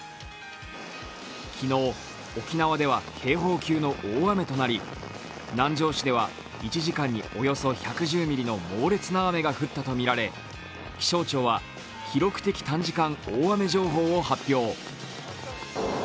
昨日、沖縄では警報級の大雨となり南城市では１時間におよそ１１０ミリの猛烈な雨が降ったとみられ気象庁は記録的短時間大雨情報を発表。